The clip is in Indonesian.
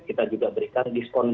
kita juga berikan diskon